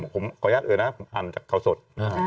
ผมขออนุญาตเอ๋ยนะครับอันจากเขาสด